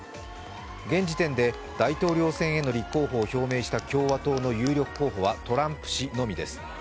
現時点で大統領選への立候補を表明した共和党の有力候補はトランプ氏のみです。